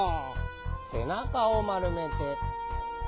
せなかをまるめてひがな